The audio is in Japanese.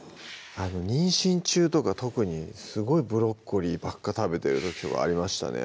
あの妊娠中とか特にすごいブロッコリーばっか食べてる時とかありましたね